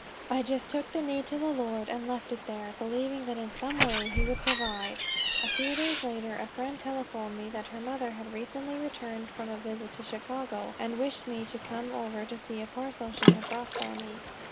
I just took the need to the Lord and left it there, believing that in some way he would provide. A few days later a friend telephoned me that her mother had recently returned from a visit to Chicago, and wished me to come over to see a parcel she had brought for me.